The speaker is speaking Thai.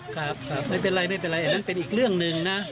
ครับแหละนั้นเป็นอีกเรื่องหนึ่งนะ